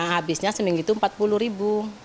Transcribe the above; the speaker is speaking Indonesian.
habisnya seminggu itu rp empat puluh ribu